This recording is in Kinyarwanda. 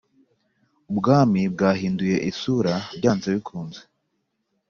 Ubwami bwahinduye isura byanze bikunze;